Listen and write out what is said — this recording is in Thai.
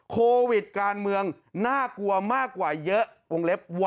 โควิดการเมืองน่ากลัวมากกว่าเยอะวงเล็บ